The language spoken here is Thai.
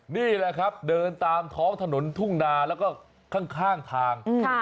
นี่แหละครับเดินตามท้องถนนทุ่งนาแล้วก็ข้างทาง